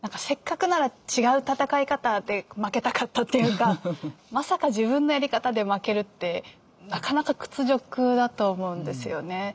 せっかくなら違う戦い方で負けたかったっていうかまさか自分のやり方で負けるってなかなか屈辱だと思うんですよね。